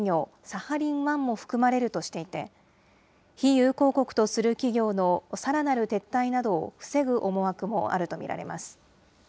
サハリン１も含まれるとしていて、非友好国とする企業のさらなる撤退などを防ぐ思惑もあると見られます。